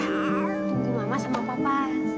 tunggu mama sama papa